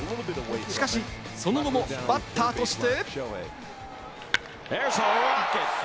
しかし、その後もバッターとして。